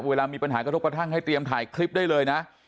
เวลามีปัญหากระทบกระทั่งให้เตรียมถ่ายคลิปได้เลยนะ